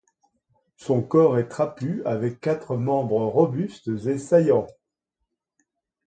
Son corps est trapu avec quatre membres robustes et saillants.